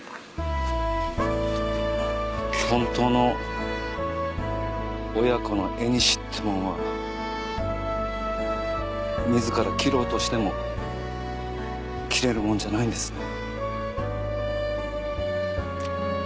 本当の親子の縁ってもんは自ら切ろうとしても切れるものじゃないんですね。